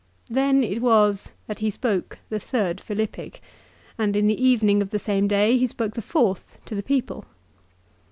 Then it was that he spoke tjie third Philippic, and in the evening of the same day he spoke the fourth to the people.